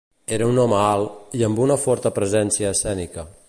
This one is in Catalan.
Era un home alt i amb una forta presència escènica.